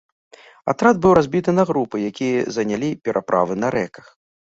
Атрад быў разбіты на групы, якія занялі пераправы на рэках.